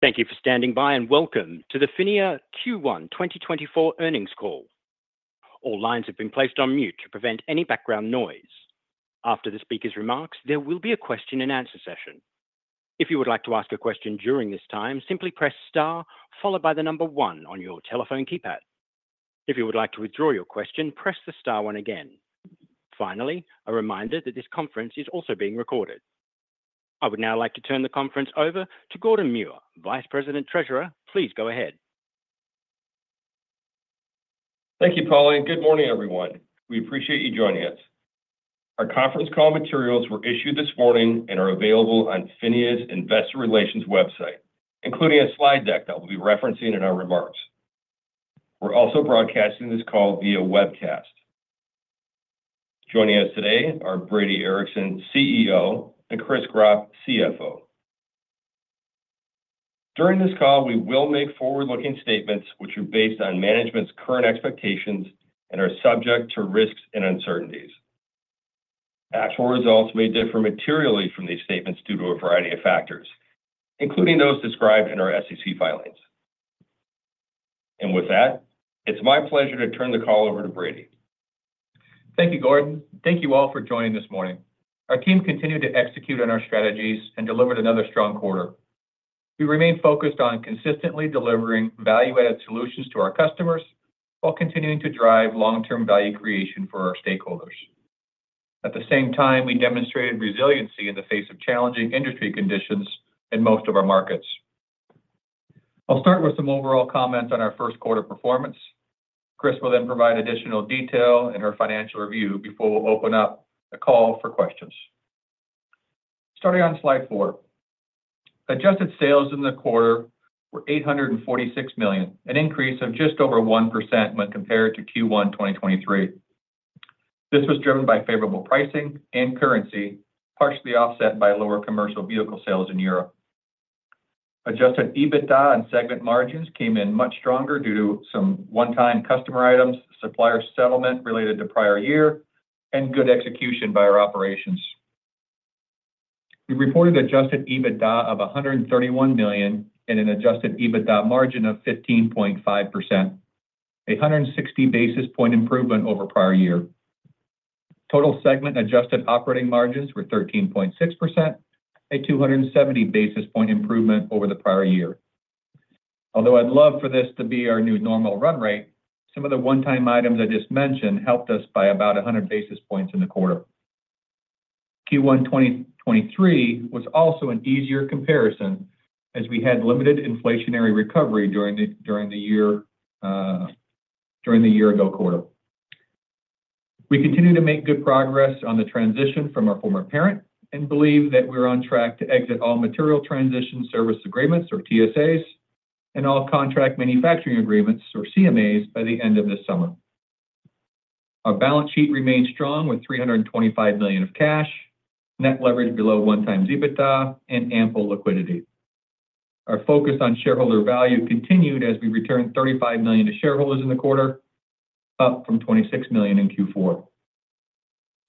Thank you for standing by and welcome to the PHINIA Q1 2024 earnings call. All lines have been placed on mute to prevent any background noise. After the speaker's remarks, there will be a question-and-answer session. If you would like to ask a question during this time, simply press star followed by the number one on your telephone keypad. If you would like to withdraw your question, press the star one again. Finally, a reminder that this conference is also being recorded. I would now like to turn the conference over to Gordon Muir, Vice President and Treasurer. Please go ahead. Thank you, Paulie. Good morning, everyone. We appreciate you joining us. Our conference call materials were issued this morning and are available on PHINIA's investor relations website, including a slide deck that we'll be referencing in our remarks. We're also broadcasting this call via webcast. Joining us today are Brady Ericson, CEO, and Chris Gropp, CFO. During this call, we will make forward-looking statements which are based on management's current expectations and are subject to risks and uncertainties. Actual results may differ materially from these statements due to a variety of factors, including those described in our SEC filings. With that, it's my pleasure to turn the call over to Brady. Thank you, Gordon. Thank you all for joining this morning. Our team continued to execute on our strategies and delivered another strong quarter. We remain focused on consistently delivering value-added solutions to our customers while continuing to drive long-term value creation for our stakeholders. At the same time, we demonstrated resiliency in the face of challenging industry conditions in most of our markets. I'll start with some overall comments on our first quarter performance. Chris will then provide additional detail in her financial review before we open up the call for questions. Starting on slide four, adjusted sales in the quarter were $846 million, an increase of just over 1% when compared to Q1 2023. This was driven by favorable pricing and currency, partially offset by lower commercial vehicle sales in Europe. Adjusted EBITDA and segment margins came in much stronger due to some one-time customer items, supplier settlement related to prior year, and good execution by our operations. We reported adjusted EBITDA of $131 million and an adjusted EBITDA margin of 15.5%, a 160 basis point improvement over prior year. Total segment adjusted operating margins were 13.6%, a 270 basis point improvement over the prior year. Although I'd love for this to be our new normal run rate, some of the one-time items I just mentioned helped us by about 100 basis points in the quarter. Q1 2023 was also an easier comparison as we had limited inflationary recovery during the year-ago quarter. We continue to make good progress on the transition from our former parent and believe that we're on track to exit all material transition service agreements, or TSAs, and all contract manufacturing agreements, or CMAs, by the end of this summer. Our balance sheet remains strong with $325 million of cash, net leverage below 1x EBITDA, and ample liquidity. Our focus on shareholder value continued as we returned $35 million to shareholders in the quarter, up from $26 million in Q4.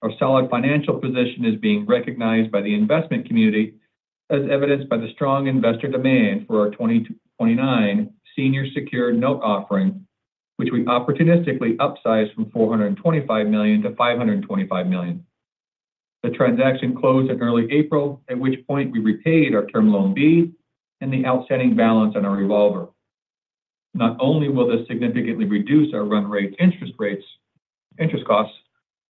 Our solid financial position is being recognized by the investment community, as evidenced by the strong investor demand for our 2029 senior secured note offering, which we opportunistically upsized from $425 million-$525 million. The transaction closed in early April, at which point we repaid our Term Loan B and the outstanding balance on our revolver. Not only will this significantly reduce our run rate interest costs,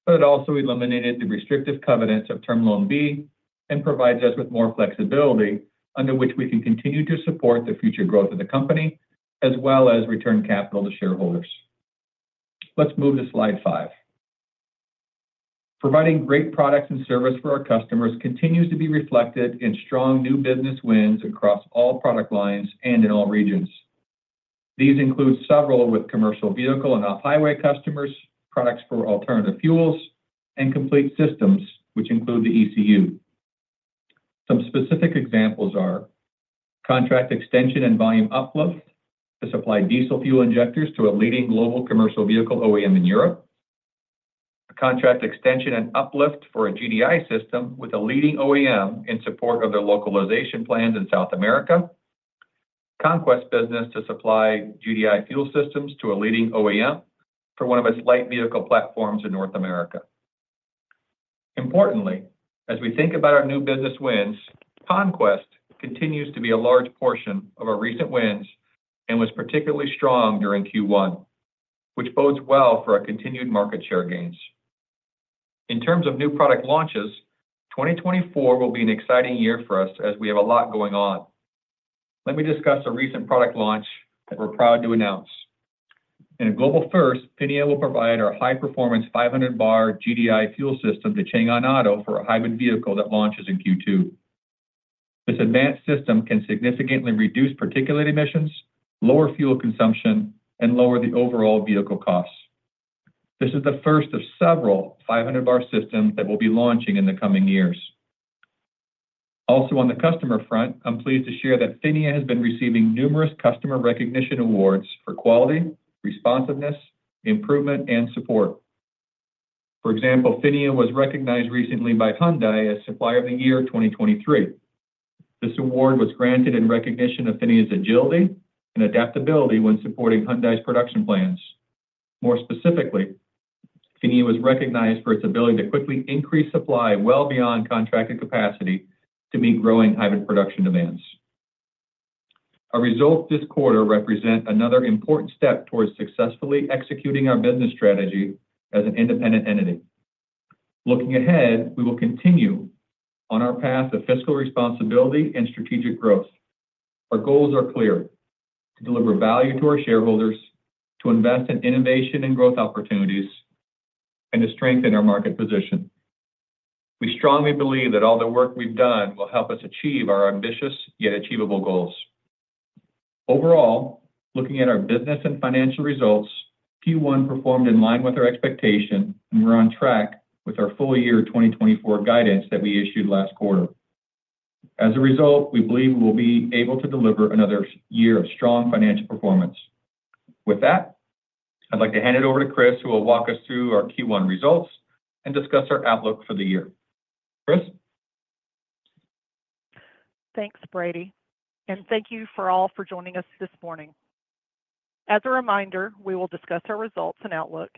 but it also eliminated the restrictive covenants of Term Loan B and provides us with more flexibility under which we can continue to support the future growth of the company as well as return capital to shareholders. Let's move to slide five. Providing great products and service for our customers continues to be reflected in strong new business wins across all product lines and in all regions. These include several with commercial vehicle and off-highway customers, products for alternative fuels, and complete systems, which include the ECU. Some specific examples are contract extension and volume uplift to supply diesel fuel injectors to a leading global commercial vehicle OEM in Europe, contract extension and uplift for a GDI system with a leading OEM in support of their localization plans in South America, conquest business to supply GDI fuel systems to a leading OEM for one of its light vehicle platforms in North America. Importantly, as we think about our new business wins, conquest continues to be a large portion of our recent wins and was particularly strong during Q1, which bodes well for our continued market share gains. In terms of new product launches, 2024 will be an exciting year for us as we have a lot going on. Let me discuss a recent product launch that we're proud to announce. In a global first, PHINIA will provide our high-performance 500-bar GDI fuel system to Changan Auto for a hybrid vehicle that launches in Q2. This advanced system can significantly reduce particulate emissions, lower fuel consumption, and lower the overall vehicle costs. This is the first of several 500-bar systems that we'll be launching in the coming years. Also, on the customer front, I'm pleased to share that PHINIA has been receiving numerous customer recognition awards for quality, responsiveness, improvement, and support. For example, PHINIA was recognized recently by Hyundai as Supplier of the Year 2023. This award was granted in recognition of PHINIA's agility and adaptability when supporting Hyundai's production plans. More specifically, PHINIA was recognized for its ability to quickly increase supply well beyond contracted capacity to meet growing hybrid production demands. Our results this quarter represent another important step towards successfully executing our business strategy as an independent entity. Looking ahead, we will continue on our path of fiscal responsibility and strategic growth. Our goals are clear: to deliver value to our shareholders, to invest in innovation and growth opportunities, and to strengthen our market position. We strongly believe that all the work we've done will help us achieve our ambitious yet achievable goals. Overall, looking at our business and financial results, Q1 performed in line with our expectation, and we're on track with our full year 2024 guidance that we issued last quarter. As a result, we believe we will be able to deliver another year of strong financial performance. With that, I'd like to hand it over to Chris, who will walk us through our Q1 results and discuss our outlook for the year. Chris? Thanks, Brady. And thank you all for joining us this morning. As a reminder, we will discuss our results and outlook.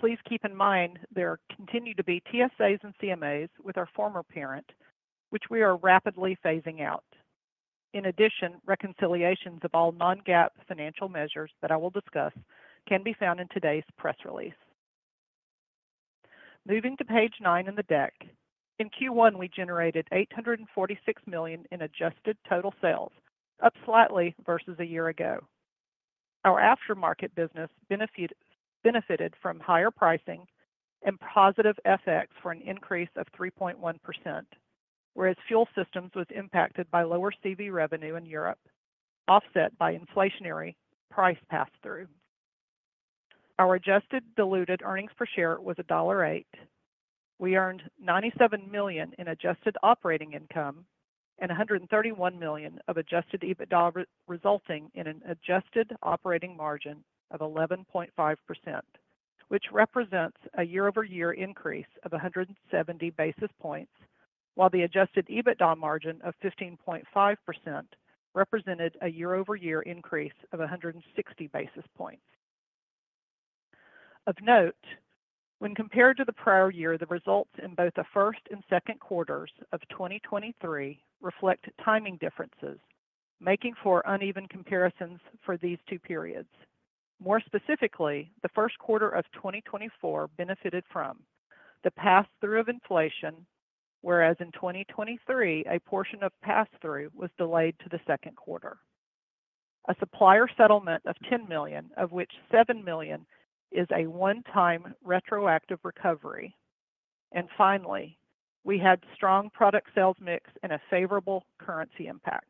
Please keep in mind there continue to be TSAs and CMAs with our former parent, which we are rapidly phasing out. In addition, reconciliations of all non-GAAP financial measures that I will discuss can be found in today's press release. Moving to page nine in the deck, in Q1 we generated $846 million in adjusted total sales, up slightly versus a year ago. Our aftermarket business benefited from higher pricing and positive FX for an increase of 3.1%, whereas fuel systems were impacted by lower CV revenue in Europe, offset by inflationary price pass-through. Our adjusted diluted earnings per share was $1.08. We earned $97 million in adjusted operating income and $131 million of Adjusted EBITDA, resulting in an adjusted operating margin of 11.5%, which represents a year-over-year increase of 170 basis points, while the adjusted EBITDA margin of 15.5% represented a year-over-year increase of 160 basis points. Of note, when compared to the prior year, the results in both the first and second quarters of 2023 reflect timing differences, making for uneven comparisons for these two periods. More specifically, the first quarter of 2024 benefited from the pass-through of inflation, whereas in 2023, a portion of pass-through was delayed to the second quarter. A supplier settlement of $10 million, of which $7 million is a one-time retroactive recovery. Finally, we had strong product sales mix and a favorable currency impact.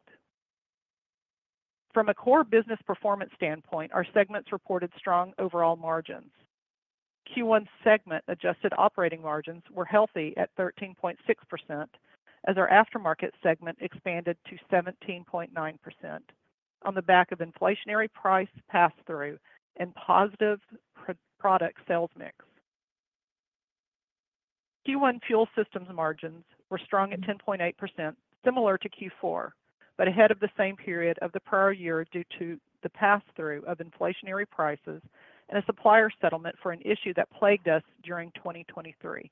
From a core business performance standpoint, our segments reported strong overall margins. Q1 segment adjusted operating margins were healthy at 13.6%, as our aftermarket segment expanded to 17.9% on the back of inflationary price pass-through and positive product sales mix. Q1 fuel systems margins were strong at 10.8%, similar to Q4, but ahead of the same period of the prior year due to the pass-through of inflationary prices and a supplier settlement for an issue that plagued us during 2023.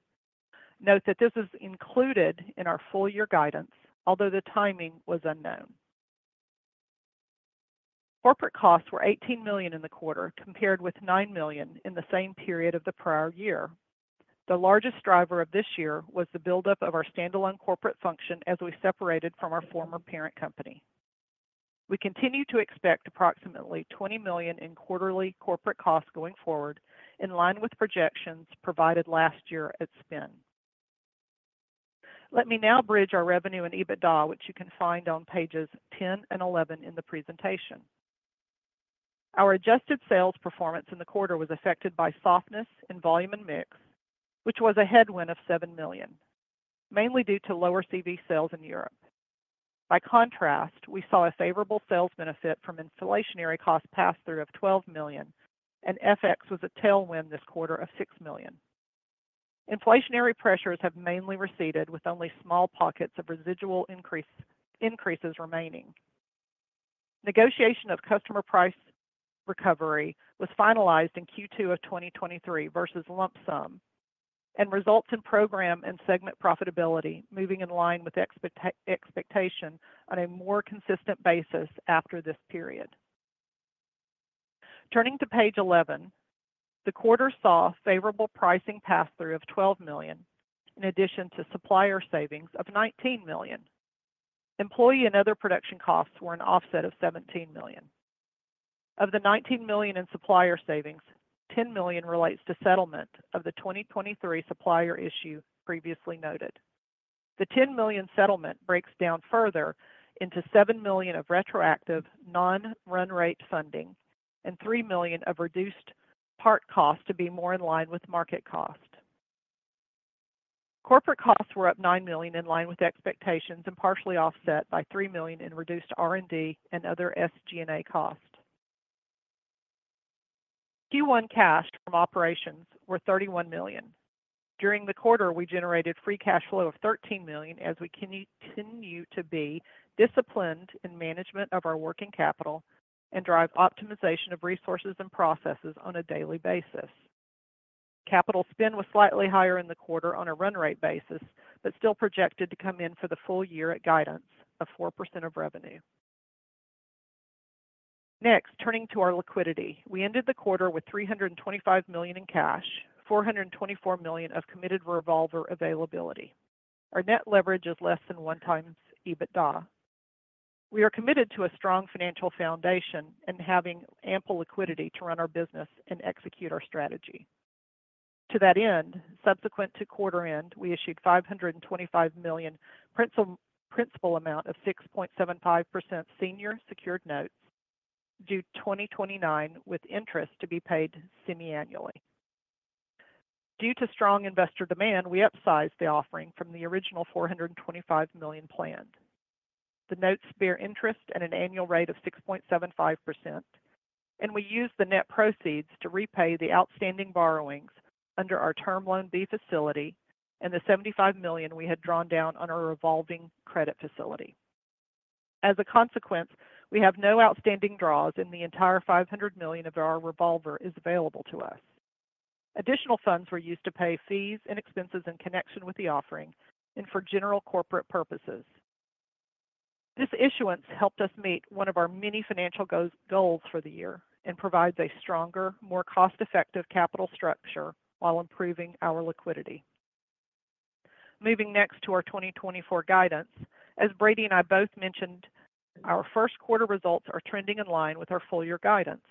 Note that this is included in our full year guidance, although the timing was unknown. Corporate costs were $18 million in the quarter compared with $9 million in the same period of the prior year. The largest driver of this year was the buildup of our standalone corporate function as we separated from our former parent company. We continue to expect approximately $20 million in quarterly corporate costs going forward, in line with projections provided last year at spin. Let me now bridge our revenue and EBITDA, which you can find on pages 10 and 11 in the presentation. Our adjusted sales performance in the quarter was affected by softness in volume and mix, which was a headwind of $7 million, mainly due to lower CV sales in Europe. By contrast, we saw a favorable sales benefit from inflationary cost pass-through of $12 million, and FX was a tailwind this quarter of $6 million. Inflationary pressures have mainly receded, with only small pockets of residual increases remaining. Negotiation of customer price recovery was finalized in Q2 of 2023 versus lump sum, and results in program and segment profitability moving in line with expectation on a more consistent basis after this period. Turning to page 11, the quarter saw favorable pricing pass-through of $12 million, in addition to supplier savings of $19 million. Employee and other production costs were an offset of $17 million. Of the $19 million in supplier savings, $10 million relates to settlement of the 2023 supplier issue previously noted. The $10 million settlement breaks down further into $7 million of retroactive non-run rate funding and $3 million of reduced part cost to be more in line with market cost. Corporate costs were up $9 million in line with expectations and partially offset by $3 million in reduced R&D and other SG&A costs. Q1 cash from operations were $31 million. During the quarter, we generated free cash flow of $13 million as we continue to be disciplined in management of our working capital and drive optimization of resources and processes on a daily basis. Capital spend was slightly higher in the quarter on a run rate basis, but still projected to come in for the full year at guidance of 4% of revenue. Next, turning to our liquidity, we ended the quarter with $325 million in cash, $424 million of committed revolver availability. Our net leverage is less than 1x EBITDA. We are committed to a strong financial foundation and having ample liquidity to run our business and execute our strategy. To that end, subsequent to quarter end, we issued $525 million principal amount of 6.75% senior secured notes, due 2029 with interest to be paid semiannually. Due to strong investor demand, we upsized the offering from the original $425 million planned. The notes bear interest at an annual rate of 6.75%, and we use the net proceeds to repay the outstanding borrowings under our Term Loan B facility and the $75 million we had drawn down on our revolving credit facility. As a consequence, we have no outstanding draws, and the entire $500 million of our revolver is available to us. Additional funds were used to pay fees and expenses in connection with the offering and for general corporate purposes. This issuance helped us meet one of our many financial goals for the year and provides a stronger, more cost-effective capital structure while improving our liquidity. Moving next to our 2024 guidance, as Brady and I both mentioned, our first quarter results are trending in line with our full year guidance.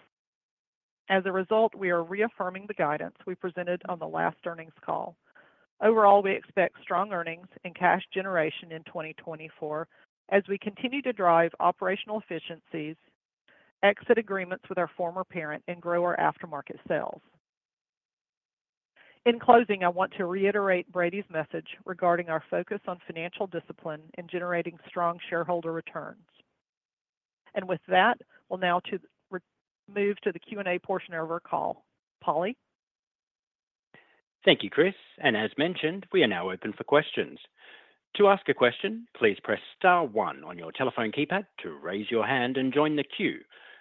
As a result, we are reaffirming the guidance we presented on the last earnings call. Overall, we expect strong earnings and cash generation in 2024 as we continue to drive operational efficiencies, exit agreements with our former parent, and grow our aftermarket sales. In closing, I want to reiterate Brady's message regarding our focus on financial discipline and generating strong shareholder returns. With that, we'll now move to the Q&A portion of our call. Paulie? Thank you, Chris. As mentioned, we are now open for questions. To ask a question, please press star one on your telephone keypad to raise your hand and join the queue.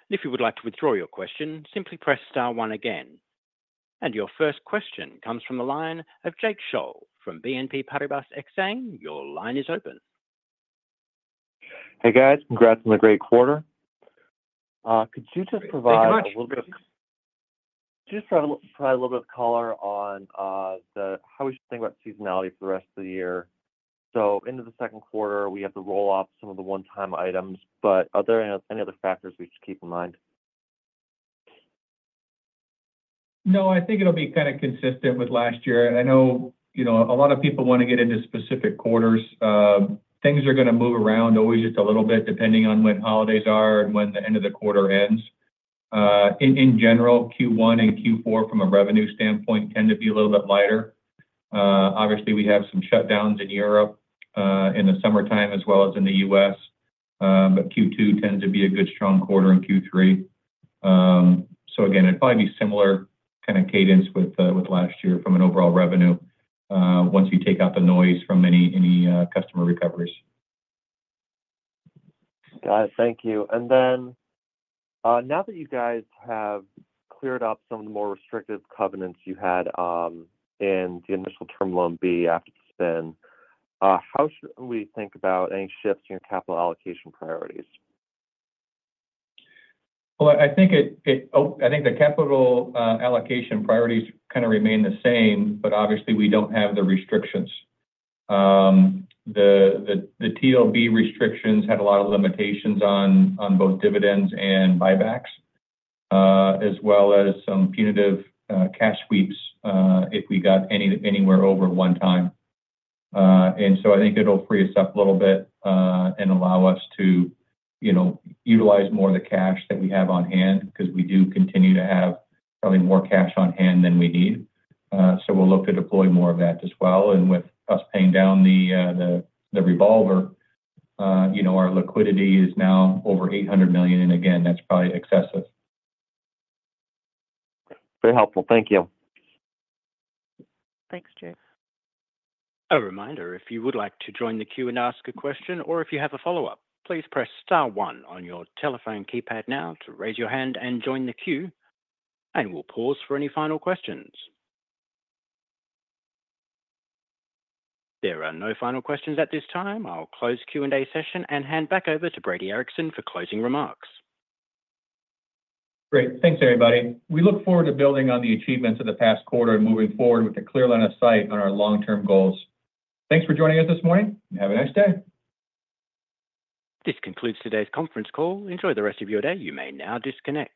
If you would like to withdraw your question, simply press star one again. Your first question comes from the line of Jake Scholl from BNP Paribas Exane. Your line is open. Hey, guys. Congrats on the great quarter. Could you just provide a little bit of color on how we should think about seasonality for the rest of the year? So into the second quarter, we have to roll off some of the one-time items. But are there any other factors we should keep in mind? No, I think it'll be kind of consistent with last year. I know a lot of people want to get into specific quarters. Things are going to move around always just a little bit depending on when holidays are and when the end of the quarter ends. In general, Q1 and Q4, from a revenue standpoint, tend to be a little bit lighter. Obviously, we have some shutdowns in Europe in the summertime as well as in the US, but Q2 tends to be a good strong quarter in Q3. So again, it'd probably be similar kind of cadence with last year from an overall revenue once you take out the noise from any customer recoveries. Got it. Thank you. And then now that you guys have cleared up some of the more restrictive covenants you had in the initial Term Loan B after Spin, how should we think about any shifts in your capital allocation priorities? Well, I think the capital allocation priorities kind of remain the same, but obviously, we don't have the restrictions. The TLB restrictions had a lot of limitations on both dividends and buybacks, as well as some punitive cash sweeps if we got anywhere over 1x. And so I think it'll free us up a little bit and allow us to utilize more of the cash that we have on hand because we do continue to have probably more cash on hand than we need. So we'll look to deploy more of that as well. And with us paying down the revolver, our liquidity is now over $800 million. And again, that's probably excessive. Very helpful. Thank you. Thanks, Jake. A reminder, if you would like to join the queue and ask a question or if you have a follow-up, please press star one on your telephone keypad now to raise your hand and join the queue, and we'll pause for any final questions. There are no final questions at this time. I'll close Q&A session and hand back over to Brady Ericson for closing remarks. Great. Thanks, everybody. We look forward to building on the achievements of the past quarter and moving forward with a clear line of sight on our long-term goals. Thanks for joining us this morning, and have a nice day. This concludes today's conference call. Enjoy the rest of your day. You may now disconnect.